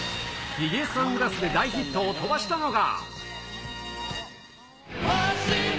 ひげサングラスで大ヒットを飛ばしたのは。